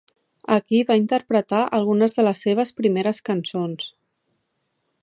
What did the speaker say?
Aquí va interpretar algunes de les seves primeres cançons.